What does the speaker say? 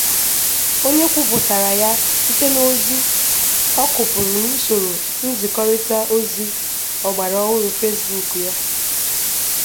onye kwuputàrà ya site n'ozi ọ kụpụrụ n'usoro nzikọrịtaozi ọgbaraọhụrụ Facebook ya.